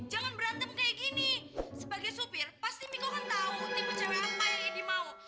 jangan berantem kayak gini sebagai supir pasti miko tau tipe cewek apa yang edi mau